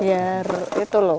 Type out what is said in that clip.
ya itu loh